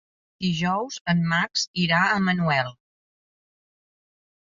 Dijous en Max irà a Manuel.